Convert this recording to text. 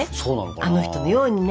あの人のようにね。